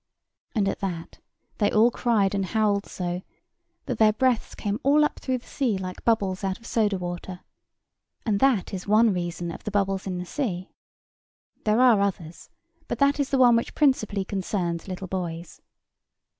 And at that they all cried and howled so, that their breaths came all up through the sea like bubbles out of soda water; and that is one reason of the bubbles in the sea. There are others: but that is the one which principally concerns little boys.